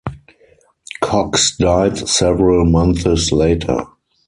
Cox died several months later.